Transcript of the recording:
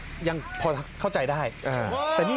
ทิ้งทุกอย่างขยาในมือท่านลงถังเถอะครับจำได้ไหมข้อความนี้